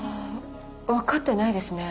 分かってないですね。